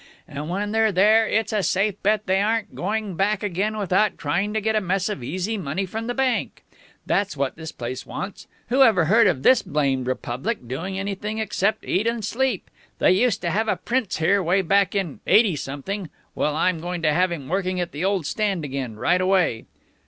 And when they're there, it's a safe bet they aren't going back again without trying to get a mess of easy money from the Bank. That's what this place wants. Whoever heard of this blamed Republic doing anything except eat and sleep? They used to have a prince here 'way back in eighty something. Well, I'm going to have him working at the old stand again, right away."